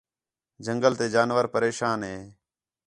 جنگل تے جانور پریشان ہے